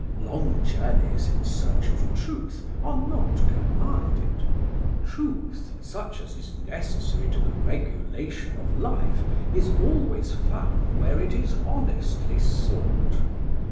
Long journeys in search of truth are not commanded. Truth, such as is necessary to the regulation of life, is always found where it is honestly sought.